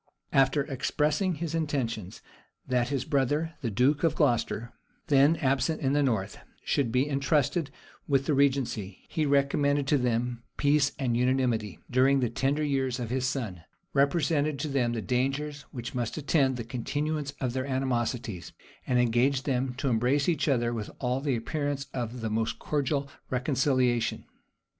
After expressing his intentions, that his brother, the duke of Glocester, then absent in the north, should be intrusted with the regency, he recommended to them peace and unanimity during the tender years of his son; represented to them the dangers which must attend the continuance of their animosities; and engaged them to embrace each other with all the appearance of the most cordial reconciliation.